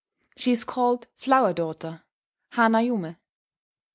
She is called "flower daughter" (hana yome).